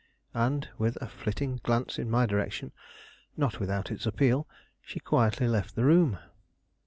And, with a flitting glance in my direction, not without its appeal, she quietly left the room.